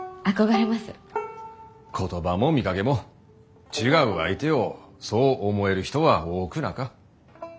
言葉も見かけも違う相手をそう思える人は多くなか。